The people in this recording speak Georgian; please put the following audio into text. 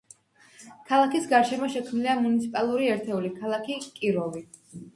ქალაქის გარშემო შექმნილია მუნიციპალური ერთეული „ქალაქი კიროვი“.